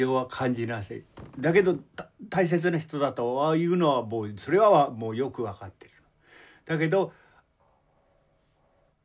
だけど大切な人だというのはもうそれはよく分かってる。